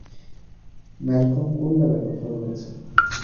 Malcolm কোন ল্যাবের কথা বলেছে?